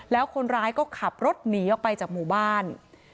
แล้วคนร้ายก็ขับรถหนีออกไปจากหมู่บ้าน